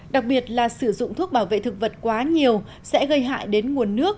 đặc biệt là sử dụng thuốc bảo vệ thực vật quá nhiều sẽ gây hại đến nguồn nước